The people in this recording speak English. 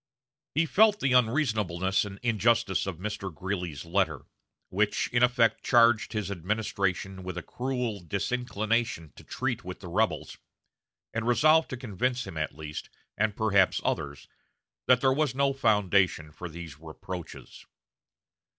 He felt the unreasonableness and injustice of Mr. Greeley's letter, which in effect charged his administration with a cruel disinclination to treat with the rebels, and resolved to convince him at least, and perhaps others, that there was no foundation for these reproaches.